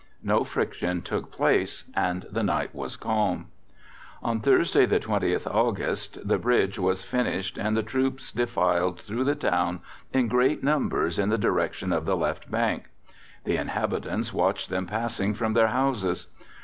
No friction took place and the night was calm. On Thursday, the 20th August, the bridge was finished and the troops defiled through the town in great numbers in the direction of the left bank. The inhabitants watched them passing from their houses.